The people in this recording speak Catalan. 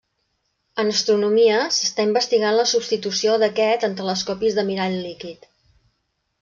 En astronomia, s'està investigant la substitució d'aquest en telescopis de mirall líquid.